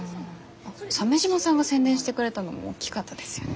鮫島さんが宣伝してくれたのも大きかったですよね。